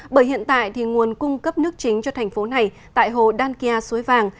bởi hiện tại nguồn cung cấp nước chính cho thành phố này tại hồ đan kia suối vàng